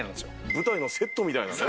舞台のセットみたいなね。